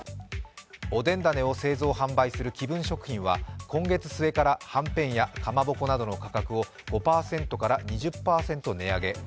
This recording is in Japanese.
おでんだねを製造・販売する紀文食品ははんぺんやかまぼこなどの価格を５％から２０％値上げ。